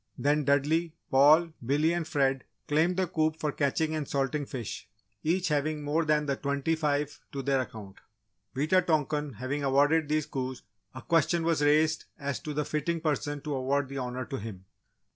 Then, Dudley, Paul, Billy and Fred claimed the coup for catching and salting fish, each having more than the twenty five to their account. Wita tonkan having awarded these coups a question was raised as to the fitting person to award the Honour to him.